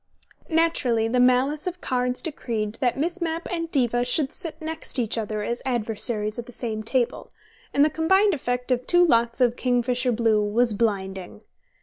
Naturally the malice of cards decreed that Miss Mapp and Diva should sit next each other as adversaries at the same table, and the combined effect of two lots of kingfisher blue was blinding.